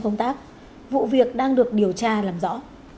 công tác vụ việc đang được điều tra làm rõ